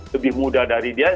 lebih muda dari dia